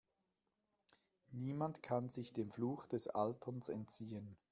Niemand kann sich dem Fluch des Alterns entziehen.